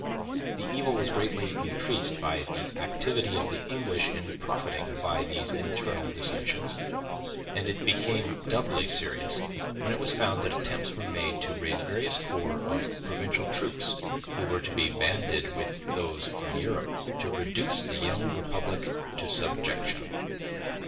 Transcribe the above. The evil was greatly increased by the activity of the English in profiting by these internal dissensions; and it became doubly serious when it was found that attempts were made to raise various corps of provincial troops, who were to be banded with those from Europe, to reduce the young republic to subjection.